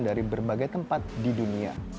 dari berbagai tempat di dunia